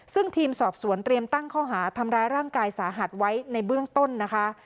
ซึ่งทีมสอบสวนเตรียมตั้งข้อหาทำร้ายร่างกายสาหัสไว้ในเบื้องต้นนะคะ